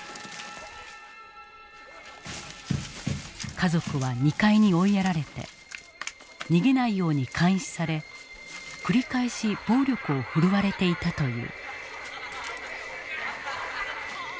家族は２階に追いやられて逃げないように監視され繰り返し暴力を振るわれていたという。